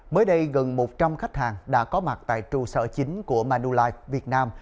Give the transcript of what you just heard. mới đây gần một trăm linh khách hàng đã có mặt tại trụ sở chính của manulife việt nam